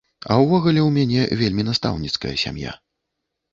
А ўвогуле, у мяне вельмі настаўніцкая сям'я.